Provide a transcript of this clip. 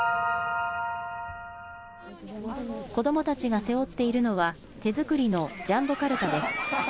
子どもたちが背負っているのは、手作りのジャンボカルタです。